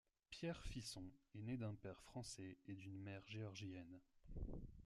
Pierre Fisson est né d'un père français et d'une mère géorgienne.